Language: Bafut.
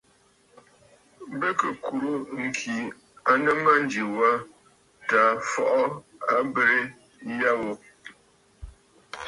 Bɨ kɨ kùrə̂ ŋ̀kì a nɨ mânjì was tǎ fɔʼɔ abərə ya ghu.